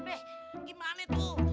eh gimana tuh